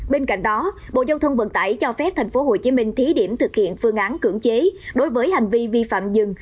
bên cạnh đó bộ giao thông vận tải cho phép tp hcm thí điểm thực hiện phương án cưỡng chế đối với hành vi vi phạm dừng